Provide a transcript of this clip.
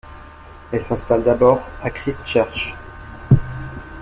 Elle s'installe d'abord à Christchurch.